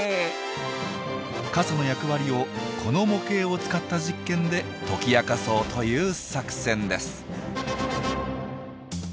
傘の役割をこの模型を使った実験で解き明かそうという作戦です。